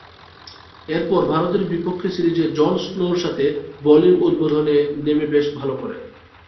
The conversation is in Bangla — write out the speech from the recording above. এরপর ভারতের বিপক্ষে সিরিজে জন স্নো’র সাথে বোলিং উদ্বোধনে নেমে বেশ ভালো করেন।